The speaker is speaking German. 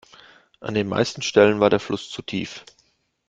An den meisten Stellen war der Fluss zu tief.